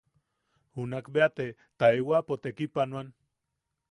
Junak beate taewapo tekipanoan.